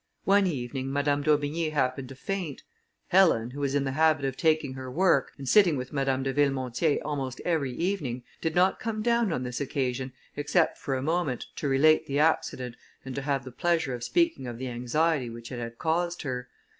One evening, Madame d'Aubigny happened to faint. Helen, who was in the habit of taking her work, and sitting with Madame de Villemontier almost every evening, did not come down on this occasion, except for a moment, to relate the accident, and to have the pleasure of speaking of the anxiety which it had caused her.